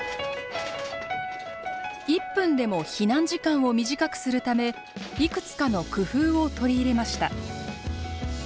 １分でも避難時間を短くするためいくつかの工夫を取り入れました。